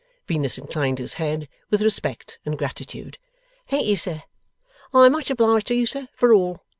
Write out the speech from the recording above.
Venus inclined his head with respect and gratitude. 'Thank you, sir. I am much obliged to you, sir, for all.